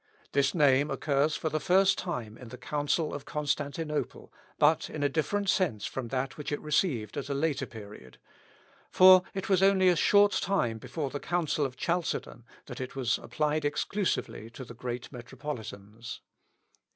This name occurs for the first time in the Council of Constantinople, but in a different sense from that which it received at a later period; for it was only a short time before the Council of Chalcedon, that it was applied exclusively to the great metropolitans.